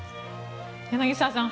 柳澤さん